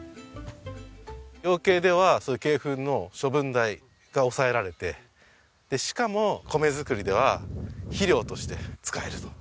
養鶏ではそういう鶏ふんの処分代が抑えられてしかも米作りでは肥料として使えると。